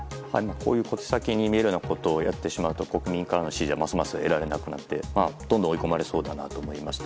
こういう小手先に見えるようなことをやると国民からの支持はますます得られなくなってどんどん追い込まれそうだなと思いました。